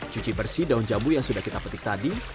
cuci bersih daun jambu yang sudah kita petik tadi